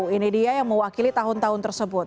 ini dia yang mewakili tahun tahun tersebut